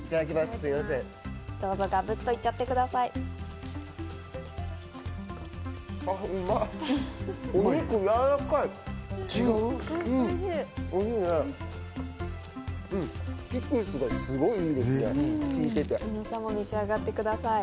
どうぞカブっといっちゃってください。